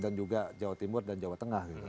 dan juga jawa timur dan jawa tengah gitu